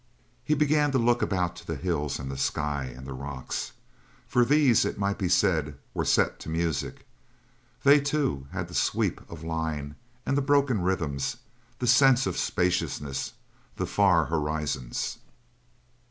He began to look about to the hills and the sky and the rocks for these, it might be said, were set to music they, too, had the sweep of line, and the broken rhythms, the sense of spaciousness, the far horizons.